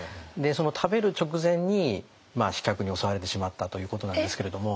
その食べる直前に刺客に襲われてしまったということなんですけれども。